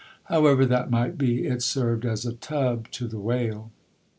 However that might be, it served as a tub to the whale.